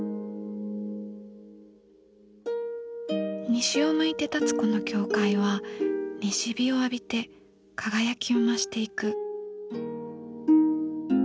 西を向いて建つこの教会は西日を浴びて輝きを増していく。